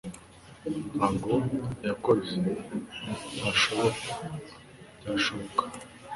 ntabwo yakoze, ntashobora, byashoboka